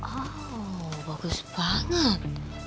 oh bagus banget